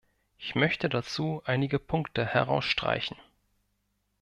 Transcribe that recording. Ich möchte dazu einige Punkte herausstreichen.